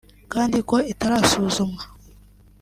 kandi ko itarasuzumwa